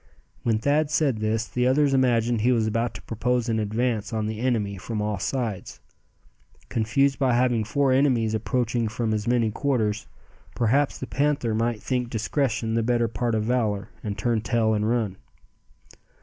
When Thad said this, the others imagined he was about to propose an advance on the enemy from all sides. Confused by having four enemies approaching from as many quarters, perhaps the panther might think discretion the better part of valor, and turn tail and run.